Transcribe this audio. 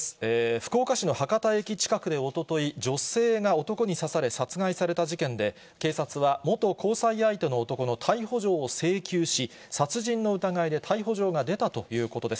福岡市の博多駅近くでおととい、女性が男に刺され、殺害された事件で、警察は元交際相手の男の逮捕状を請求し、殺人の疑いで逮捕状が出たということです。